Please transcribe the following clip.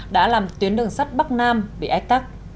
đã làm tuyến đường sắt bắc nam bị ách tắc